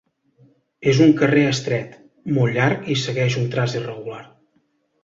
És un carrer estret, molt llarg i segueix un traç irregular.